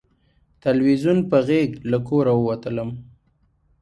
تلویزیون په غېږ له کوره ووتلم